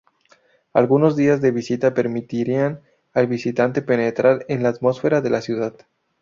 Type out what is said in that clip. Algunos días de visita permitirán al visitante penetrar en la atmósfera de la ciudad.